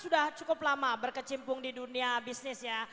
sudah cukup lama berkecimpung di dunia bisnis ya